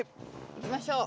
いきましょう。